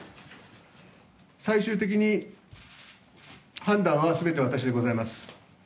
最終的に判断は全て私でございます。